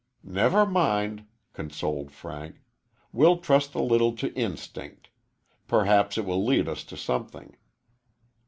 "Never mind," consoled Frank, "we'll trust a little to instinct. Perhaps it will lead us to something."